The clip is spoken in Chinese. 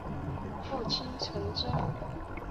父亲陈贞。